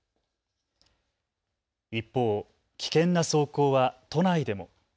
一方、危険な走行は都内でも。